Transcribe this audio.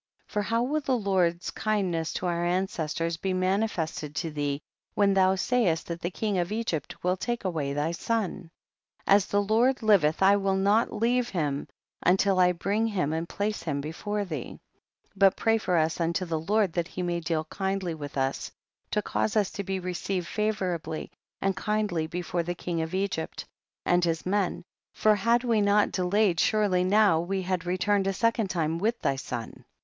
21. For how will the Lord's kind ness to our ancestors be manifested to thee when thou sayest that the king of Egypt will take away thy son ? as the Lord liveth I will not leave him until I bring him and place him before thee ; but pray for us unto the Lord, that he may deal kindly with us, to cause us to be received favorably and kindly before the king of Egypt and his men, for had we not delayed surely now we had re turned a second time witii thy son.